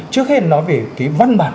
trước hết nói về cái văn bản